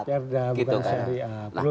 perda bukan syariah